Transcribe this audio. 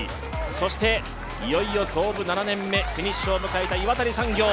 そして、いよいよ創部７年目、フィニッシュを迎えた岩谷産業。